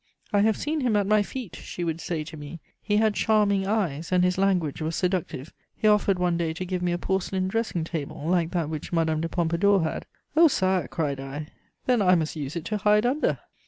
"I have seen him at my feet," she would say to me; "he had charming eyes, and his language was seductive. He offered one day to give me a porcelain dressing table, like that which Madame de Pompadour had. "'Oh, Sire,' cried I, 'then I must use it to hide under!'"